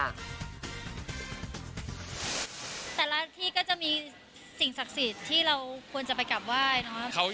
แต่ละที่ก็จะมีสิ่งศักดิ์สิทธิ์ที่เราควรจะไปกลับไหว้เนาะ